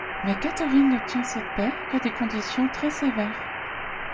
Mais Catherine n'obtint cette paix qu'à des conditions très-sévères.